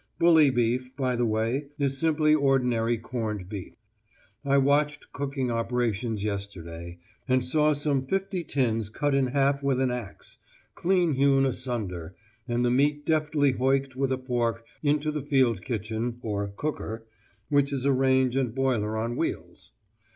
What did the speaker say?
Bully beef, by the way, is simply ordinary corned beef. I watched cooking operations yesterday, and saw some fifty tins cut in half with an axe, clean hewn asunder, and the meat deftly hoicked with a fork into the field kitchen, or 'cooker,' which is a range and boiler on wheels.